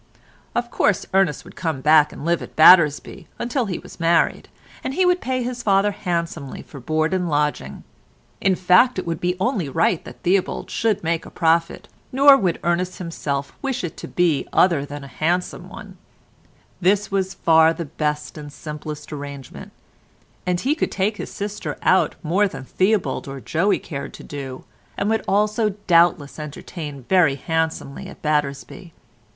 Of course Ernest would come back and live at Battersby until he was married, and he would pay his father handsomely for board and lodging. In fact it would be only right that Theobald should make a profit, nor would Ernest himself wish it to be other than a handsome one; this was far the best and simplest arrangement; and he could take his sister out more than Theobald or Joey cared to do, and would also doubtless entertain very handsomely at Battersby.